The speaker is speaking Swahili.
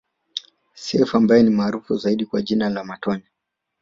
Seif ambaye ni maarufu zaidi kwa jina la Matonya